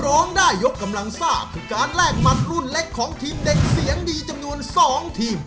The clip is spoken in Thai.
ร้องได้ยกกำลังซ่าคือการแลกหมัดรุ่นเล็กของทีมเด็กเสียงดีจำนวน๒ทีม